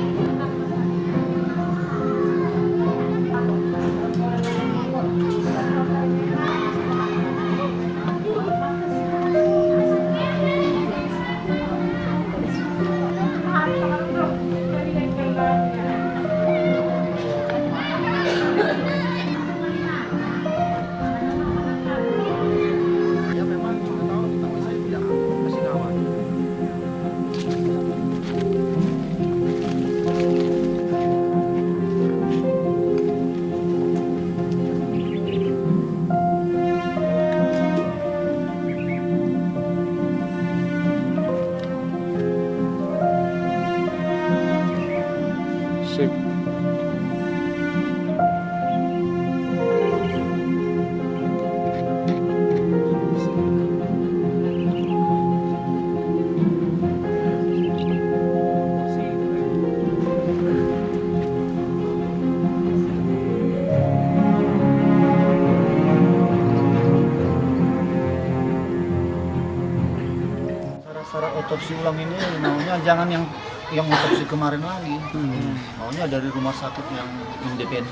jangan lupa like share dan subscribe channel ini untuk dapat info terbaru dari kami